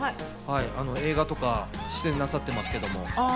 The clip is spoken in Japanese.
映画とか出演なさってますけど。